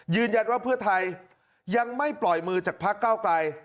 ว่าเพื่อไทยยังไม่ปล่อยมือจากพักเก้าไกล